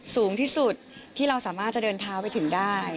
สูงที่สุดที่เราสามารถจะเดินเท้าไปถึงได้